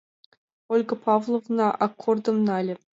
Ольга Павловна аккордым нале.